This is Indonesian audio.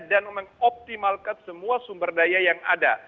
dan mengoptimalkan semua sumber daya yang ada